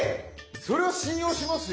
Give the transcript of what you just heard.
それは信用しますよ。